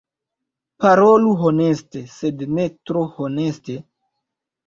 Parolu honeste... sed ne tro honeste.